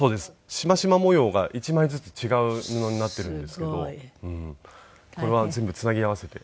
しましま模様が一枚ずつ違う布になっているんですけどこれは全部つなぎ合わせて。